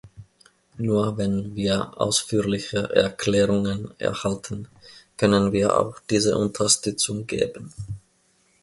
Nur wenn wir ausführliche Erklärungen erhalten, können wir auch diese Unterstützung geben.